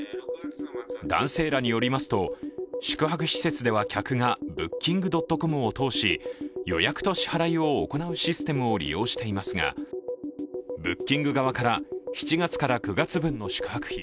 男性らによりますと、宿泊施設では客がブッキングドットコムを通し予約と支払いを行うシステムを利用していますがブッキング側から、７月から９月分の宿泊費